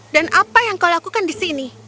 dan apa yang kau lakukan disini